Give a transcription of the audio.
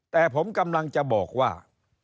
แต่ผมกำลังจะบอกว่า